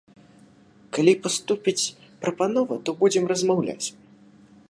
Калі паступіць прапанова, то будзем размаўляць.